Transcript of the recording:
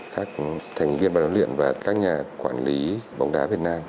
các thành viên báo luyện và các nhà quản lý bóng đá việt nam